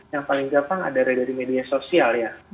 yang paling gampang adalah dari media sosial ya